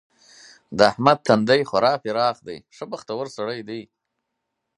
د احمد تندی خورا پراخ دی؛ ښه بختور سړی دی.